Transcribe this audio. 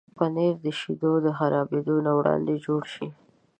پنېر د شیدو خرابېدو نه وړاندې جوړ شي.